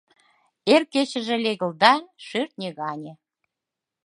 Эр кечыже легылда шӧртньӧ гане